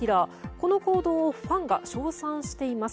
この行動をファンが称賛しています。